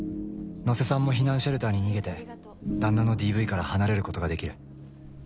野瀬さんも避難シェルターに逃げて旦那のＤＶから離れる事ができる。